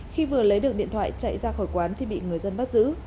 khi vừa lấy được điện thoại chạy ra khỏi quán thì bị người dân bắt giữ